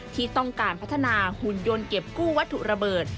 ที่ต้องการพัฒนาหุ่นยนต์เก็บกู้วัตถุระเบิด